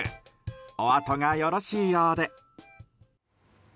おあとがよろしいようで。